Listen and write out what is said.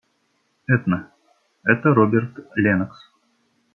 Этна, это Роберт Леннокс.